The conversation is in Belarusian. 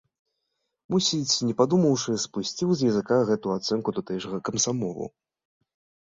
Мусіць, не падумаўшы, спусціў з языка гэту ацэнку тутэйшага камсамолу.